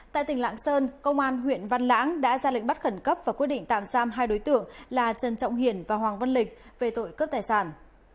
tại tỉnh lạng sơn công an huyện văn lãng đã ra lệnh bắt khẩn cấp và quyết định tạm giam hai đối tượng là trần trọng hiển và hoàng văn lịch về tội cướp tài sản